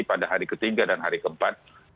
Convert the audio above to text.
pada hari ketiga dan hari keempat